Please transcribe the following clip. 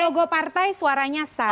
logo partai suaranya sah